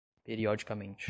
periodicamente